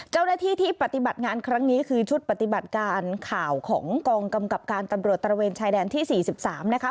เจ้าหน้าที่ที่ปฏิบัติงานครั้งนี้คือชุดปฏิบัติการข่าวของกองกำกับการตำรวจตระเวนชายแดนที่๔๓นะคะ